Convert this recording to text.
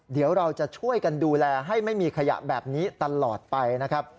เดี๋ยวเราจะช่วยกันดูแลให้ไม่มีขยะแบบนี้ตลอดไปนะครับ